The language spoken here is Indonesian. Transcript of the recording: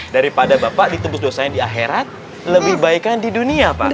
daripada bapak ditembus dosanya di akhirat lebih baikan di dunia pak